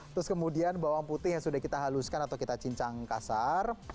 terus kemudian bawang putih yang sudah kita haluskan atau kita cincang kasar